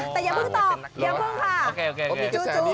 อ๋อแต่ยังเพิ่งตอบ๑๒ละเย้น